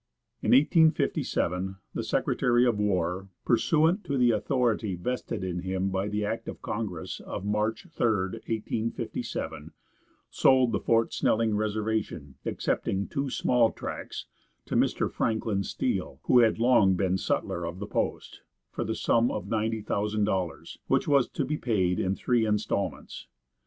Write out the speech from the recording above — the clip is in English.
In 1857 the secretary of war, pursuant to the authority vested in him by act of congress, of March 3, 1857, sold the Fort Snelling reservation, excepting two small tracts, to Mr. Franklin Steele, who had long been sutler of the post, for the sum of ninety thousand dollars, which was to be paid in three installments.